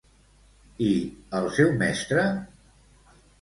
I el seu mestre?